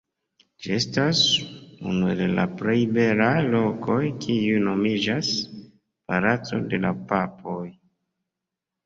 Ĝi estas unu el la plej belaj lokoj kiuj nomiĝas «Palaco de la Papoj».